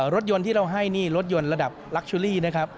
รถยนต์ที่เราให้นี่รถยนต์ระดับลักชุลี่นะครับ